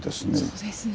そうですね。